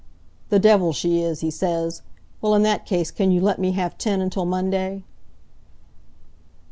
"'The devil she is!' he says. 'Well, in that case can you let me have ten until Monday?'"